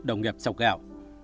đồng nghiệp chọc gạo